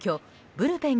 ブルペン